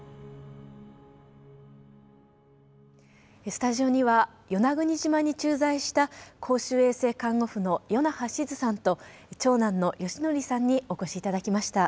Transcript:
スタジオには与那国島に駐在した公衆衛生看護婦の与那覇しづさんと長男の宜敬さんにお越し頂きました。